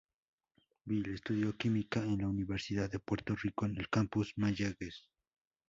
Bill, estudió química en la Universidad de Puerto Rico en el campus Mayagüez.